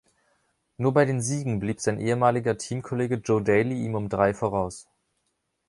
Nur bei den Siegen blieb sein ehemaliger Teamkollege Joe Daley ihm um drei voraus.